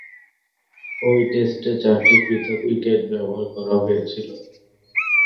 ঐ টেস্টে চারটি পৃথক উইকেট ব্যবহার করা হয়েছিল।